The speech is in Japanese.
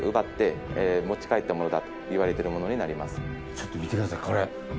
ちょっと見てくださいこれ。